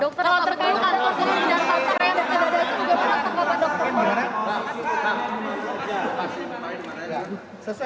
kalau terkait dengan luka tembak masuk luka tembak masuk luka tembak keluar